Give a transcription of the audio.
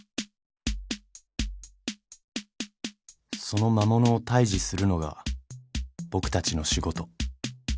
その魔物を退治するのが僕たちの仕事。